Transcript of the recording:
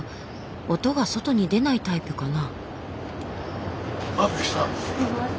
音が外に出ないタイプかな？